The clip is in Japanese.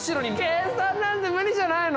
計算なんて無理じゃないの？